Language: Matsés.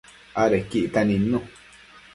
Adequi ictac nidnu